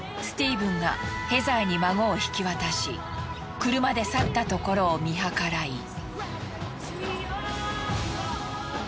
スティーブンがヘザーに孫を引き渡し車で去ったところを見計らい。